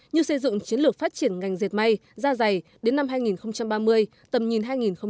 như xây dựng chiến lược phát triển ngành dệt may ra dày đến năm hai nghìn ba mươi tầm nhìn hai nghìn bốn mươi năm